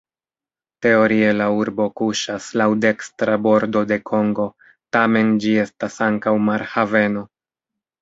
Teorie la urbo kuŝas laŭ dekstra bordo de Kongo, tamen ĝi estas ankaŭ marhaveno.